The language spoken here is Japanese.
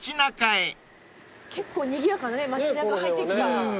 結構にぎやかだね街中入ってきた。